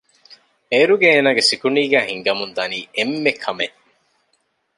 އޭރުގެ އޭނަގެ ސިކުޑީގައި ހިނގަމުންދަނީ އެންމެ ކަމެއް